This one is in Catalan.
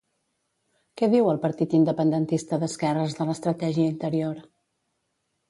Què diu el partit independentista d'esquerres de l'estratègia Interior?